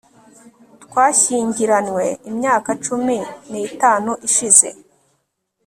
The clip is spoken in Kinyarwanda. twashyingiranywe imyaka cumi nitanu ishize